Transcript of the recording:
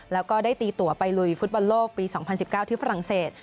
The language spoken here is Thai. แล้วก็ได้ตีตัวไปลุยฟุตบอลโลกปี๒๐๑๙ที่ฝรั่งเศส